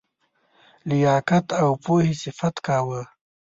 لیاقت او پوهي صفت کاوه.